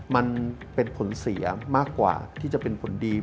มันเป็นผลเสียมากกว่าที่จะเป็นผลดี